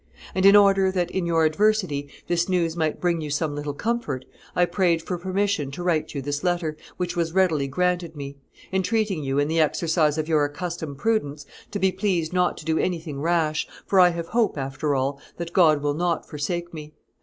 And in order that, in your adversity, this news might bring you some little comfort, I prayed for permission to write you this letter, which was readily granted me; entreating you, in the exercise of your accustomed prudence, to be pleased not to do anything rash, for I have hope, after all, that God will not forsake me.